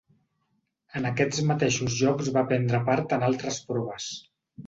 En aquests mateixos Jocs va prendre part en altres proves.